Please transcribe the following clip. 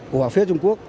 của phía trung quốc